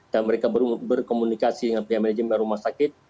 mereka berkomunikasi dengan pihak manajemen rumah sakit